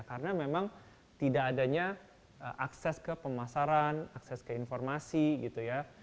karena memang tidak adanya akses ke pemasaran akses ke informasi gitu ya